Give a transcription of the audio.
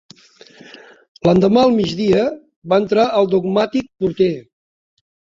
L'endemà al migdia, va entrar el dogmàtic porter